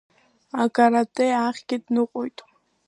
Акарате ахьгьы дныҟәоит.